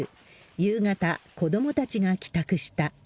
夕方、子どもたちが帰宅した。